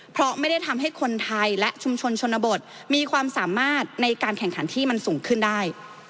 เพราะไม่ได้ทำให้คนไทยและชุมชนชนบทมีความสามารถในการแข่งขันที่มันสูงขึ้นได้